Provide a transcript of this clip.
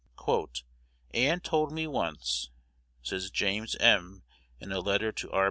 "Ann told me once," says James M. in a letter to R.